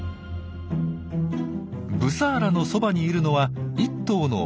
ブサーラのそばにいるのは１頭の若オスだけ。